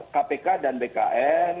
kpk dan bkn